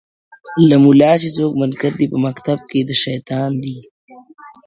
له مُلا چي څوک منکر دي په مکتب کي د شیطان دي؛